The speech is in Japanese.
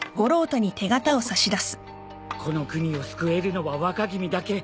この国を救えるのは若君だけ。